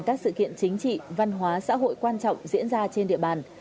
các sự kiện chính trị văn hóa xã hội quan trọng diễn ra trên địa bàn